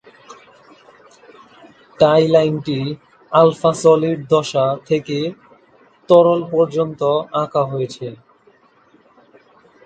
টাই লাইনটি alpha solid দশা থেকে থেকে তরল পর্যন্ত আঁকা হয়েছে।